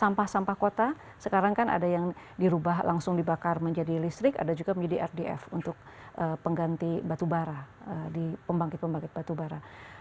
sampah sampah kota sekarang kan ada yang dirubah langsung dibakar menjadi listrik ada juga menjadi rdf untuk pengganti batu bara di pembangkit pembangkit batubara